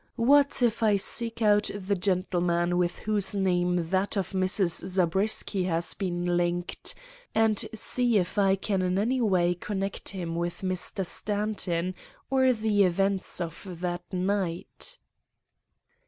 What if I should seek out the gentleman with whose name that of Mrs. Zabriskie has been linked, and see if I can in any way connect him with Mr. Stanton or the events of that night?